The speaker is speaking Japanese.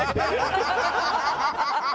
ハハハハ！